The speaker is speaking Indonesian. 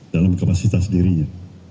dalam kapasitas dirinya